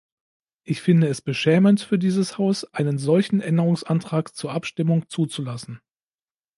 Ich finde es beschämend für dieses Haus, einen solchen Änderungsantrag zur Abstimmung zuzulassen.